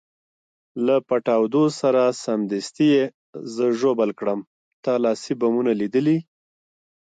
له پټاودو سره سمدستي یې زه ژوبل کړم، تا لاسي بمونه لیدلي؟